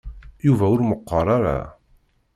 Yuba ur meqqer ara.